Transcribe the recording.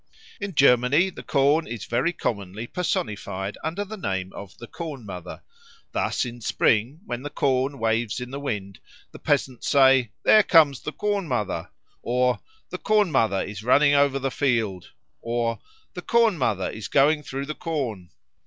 In Germany the corn is very commonly personified under the name of the Corn mother. Thus in spring, when the corn waves in the wind, the peasants say, "There comes the Corn mother," or "The Corn mother is running over the field," or "The Corn mother is going through the corn."